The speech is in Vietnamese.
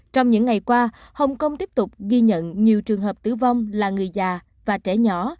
trong những ngày qua hồng kông tiếp tục ghi nhận nhiều trường hợp tử vong là người già và trẻ nhỏ